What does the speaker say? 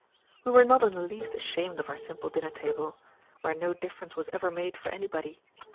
We were not in the least ashamed of our simple dinner table, where no difference was ever made for anybody.